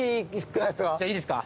じゃあいいですか。